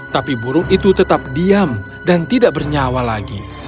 tapi burung itu tetap diam dan tidak bernyawa lagi